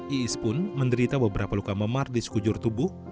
iis pun menderita beberapa luka memar di sekujur tubuh